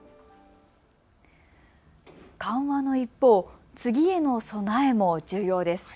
緩和の一方、次への備えも重要です。